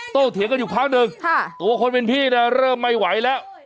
โตเถียงกันอยู่ครั้งหนึ่งตัวคนเป็นพี่เริ่มไม่ไหวแล้วค่ะ